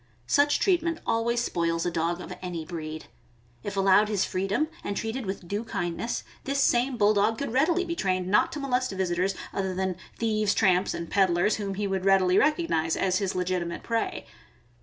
Such treatment always spoils a dog of any breed. If allowed his freedom and treated with due kindness, this same Bulldog could readily be trained not to molest visitors, other than thieves, tramps, and peddlers, whom he would readily recog nize as his legitimate prey.